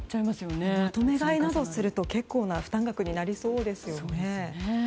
まとめ買いなどすると結構な負担額になりそうですよね。